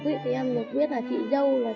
khiến chúng tôi không khỏi đau buồn